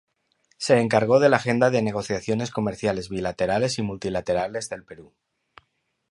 Se encargó de la agenda de negociaciones comerciales bilaterales y multilaterales del Perú.